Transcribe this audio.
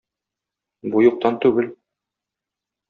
Бу юктан түгел.